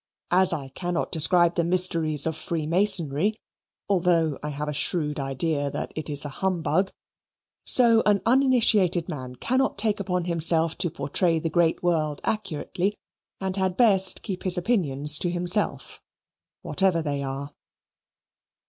As I cannot describe the mysteries of freemasonry, although I have a shrewd idea that it is a humbug, so an uninitiated man cannot take upon himself to portray the great world accurately, and had best keep his opinions to himself, whatever they are.